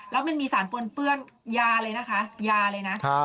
แล้วมันมีสารปนเปื้อนยาเลยนะคะ